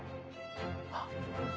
あっ